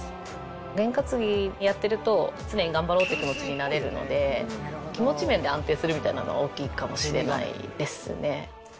ゲン担ぎやってると、常に頑張ろうという気持ちになれるので、気持ち面で安定するみたいなの、大きいかもしれないですね。